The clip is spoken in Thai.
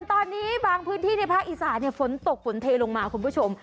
ตอนนี้บางพื้นที่ในภาคอีสานฝนตกฝนเทลงมาคุณผู้ชม